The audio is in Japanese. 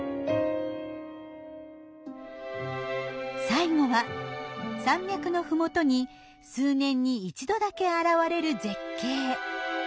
最後は山脈の麓に数年に一度だけ現れる絶景。